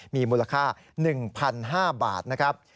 มีมูลค่า๑๕๐๐บาทนะครับ